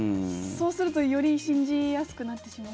そうするとより信じやすくなってしまう。